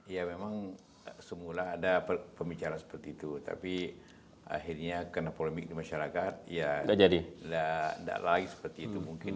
ya memang semula ada pembicaraan seperti itu tapi akhirnya karena polemik di masyarakat ya tidak lagi seperti itu mungkin